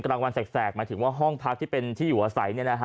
กลางวันแสกแสกหมายถึงว่าห้องพักที่เป็นที่อยู่อาใสนี่นะคะ